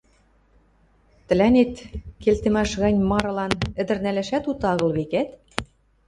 — Тӹлӓнет, келтӹмӓш гань марылан, ӹдӹр нӓлӓшӓт уты агыл, векӓт?